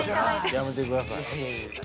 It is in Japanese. ◆やめてください。